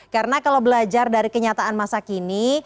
karena kalau belajar dari kenyataan masa kini